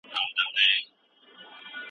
د خلګو په کلتور او د ژوند په کچه کي بدلون راغی.